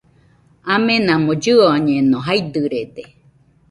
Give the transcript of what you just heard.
Amenamo llɨoñeno, jaidɨrede